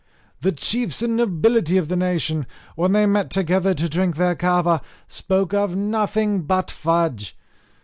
The chiefs and nobility of the nation, when they met together to drink their kava, spoke of nothing but fudge.